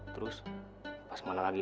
terus pas mana lagi